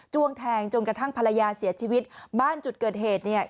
วงแทงจนกระทั่งภรรยาเสียชีวิตบ้านจุดเกิดเหตุเนี่ย